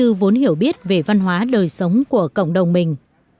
các em cũng vốn hiểu biết về văn hóa đời sống của cộng đồng mình